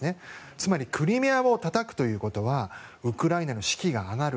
つまりクリミアをたたくということはウクライナの士気が上がる。